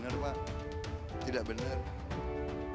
jadi itu aja pak saya tidak menyalahkan bapak